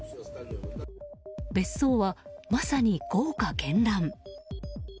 別荘はまさに豪華絢爛。